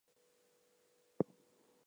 Hello Mozzila!